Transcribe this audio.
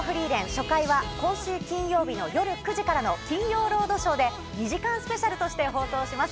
初回は今週金曜日の夜９時からの『金曜ロードショー』で２時間スペシャルとして放送します。